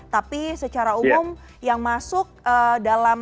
tapi secara umum yang masuk dalam